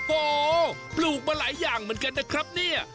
โอ้โหปลูกมาหลายอย่างเหมือนกันนะครับเนี่ย